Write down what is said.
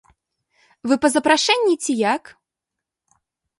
Вы па запрашэнні ці як?